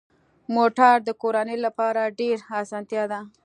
موټر د کورنۍ لپاره ډېره اسانتیا ده.